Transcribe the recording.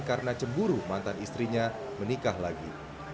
karena cemburu mantan istrinya menikah lagi